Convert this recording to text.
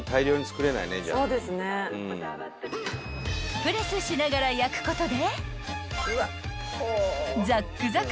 ［プレスしながら焼くことで］